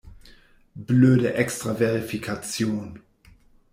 Blöde Extra-Verifikation!